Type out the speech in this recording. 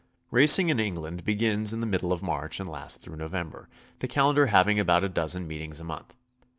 Racing in England begins in the middle of 'March and lasts through November, the calendar having about a dozen meetings a month.